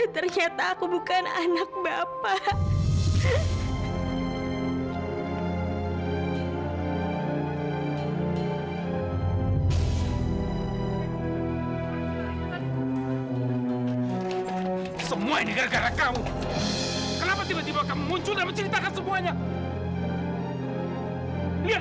ternyata aku bukan anak bapak